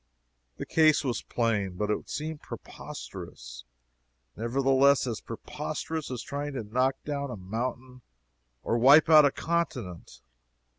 The case was plain, but it seemed preposterous, nevertheless as preposterous as trying to knock down a mountain or wipe out a continent.